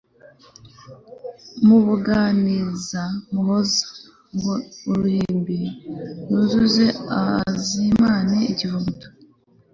Mubuganiza muhoza Ngo uruhimbi nuzuze Azimane ikivuguto